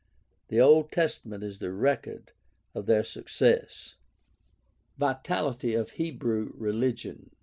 The Old Testament is the record of their success. Vitality of Hebrew religion.